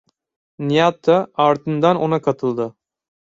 Nihat da ardından ona katıldı.